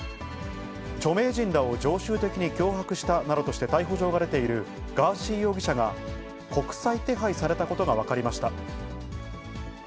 著名人らを常習的に脅迫したなどとして逮捕状が出ているガーシー容疑者が、国際手配されたことが分かりました。